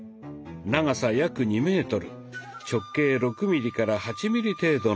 長さ約２メートル直径６ミリから８ミリ程度のものです。